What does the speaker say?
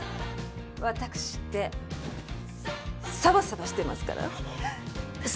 ワタクシってサバサバしてますから！